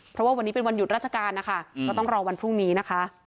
เพราะว่าวันนี้เป็นวันหยุดราชการนะคะก็ต้องรอวันพรุ่งนี้นะคะ